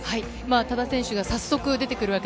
多田選手が早速出てきます。